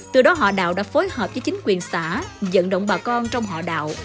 từ đó họ đạo đã phối hợp với chính quyền xã dẫn động bà con trong họ đạo